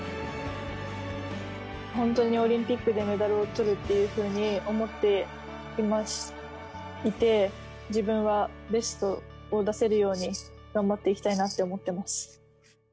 本当にオリンピックでメダルをとるっていうふうに思っていて、自分はベストを出せるように頑張っていきたいなって思っています。